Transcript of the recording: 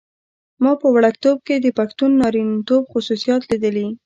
ما په وړکتوب کې د پښتون نارینتوب خصوصیات لیدلي.